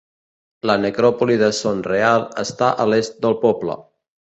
La Necròpoli de Son Real està a l'est del poble.